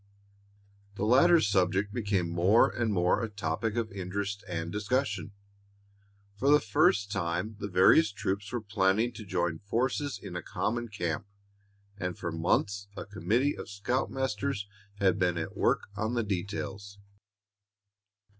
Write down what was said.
The latter subject became more and more a topic of interest and discussion. For the first time the various troops were planning to join forces in a common camp, and for months a committee of scoutmasters had been at work on the details.